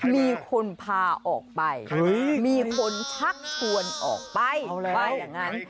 มีคนพาออกไปมีคนชักชวนออกไปว่าอย่างนั้น